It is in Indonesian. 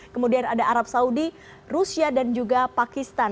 kemudian ada arab saudi rusia dan juga pakistan